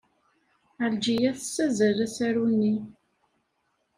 Ɛelǧiya tessazzel asaru-nni.